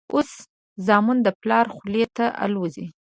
اوس زامن د پلار خولې ته الوزي.